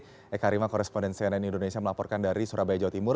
terima kasih banyak banyak koresponden cnn indonesia melaporkan dari surabaya jawa timur